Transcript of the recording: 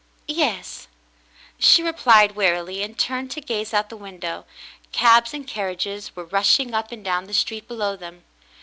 "Yes," she replied wearily, and turned to gaze out of the window. Cabs and carriages were rushing up and down the street below them.